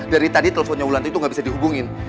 dari tadi telponnya wulan tuh ga bisa dihubungin